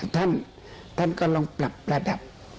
ท่านก็ลองปรับประดับ